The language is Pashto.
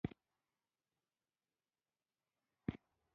زه د پخوانیو شاهي کورنیو تاریخ مطالعه کوم.